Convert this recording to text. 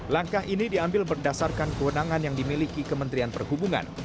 langkah ini diambil berdasarkan kewenangan yang dimiliki kementerian perhubungan